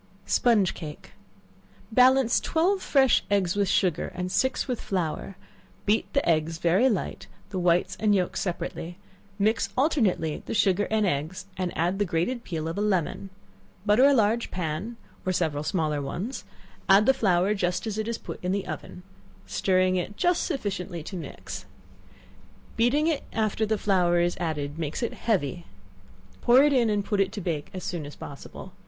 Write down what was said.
Sponge Cake. Balance twelve fresh eggs with sugar, and six with flour; beat the eggs very light, the whites and yelks separately; mix alternately the sugar and eggs, and add the grated peel of a lemon; butter a large pan, or several small ones; add the flour just as it is put in the oven, stirring it just sufficiently to mix. Beating it after the flour is added makes it heavy; pour it in, and put it to bake as soon as possible.